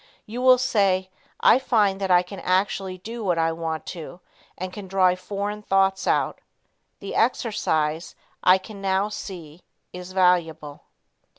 You will say, "I find that I can actually do what I want to and can drive foreign thoughts out. The exercise, I can now see, is valuable."